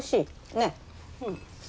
ねえ。